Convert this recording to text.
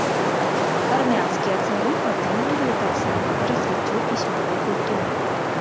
Армянскія цары падтрымлівалі таксама развіццё пісьмовай культуры.